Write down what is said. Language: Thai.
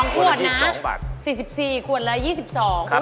๒ขวดนะ๔๔บาทขวดละ๒๒บาทคุณผิด๒บาท